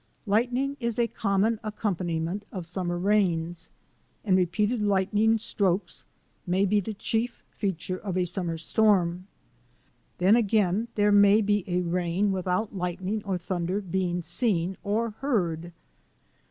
Lightning is a common accompaniment of sum mer rains, and repeated lightning strokes may be the chief feature of a summer storm. Then again there may be a rain without lightning or thunder being seen or heard.